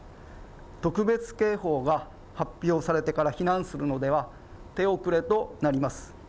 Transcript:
特別警報が発表されてから避難するのでは手遅れとなります。